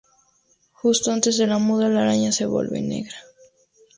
Justo antes de la muda la araña se vuelve negra.